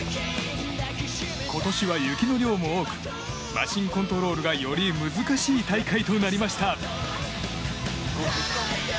今年は雪の量も多くマシンコントロールがより難しい大会となりました。